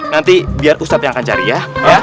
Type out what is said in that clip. nanti biar ustadz yang akan cari ya